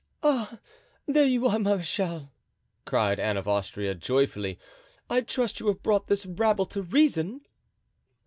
"Ah, there you are, marechal," cried Anne of Austria joyfully. "I trust you have brought this rabble to reason."